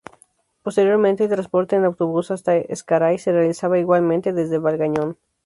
Posteriormente, el transporte en autobús hasta Ezcaray se realizaba igualmente desde Valgañón.